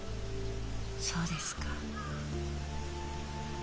そうですか。